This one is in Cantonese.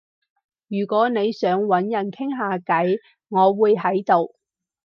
如果你想搵人傾下偈，我會喺度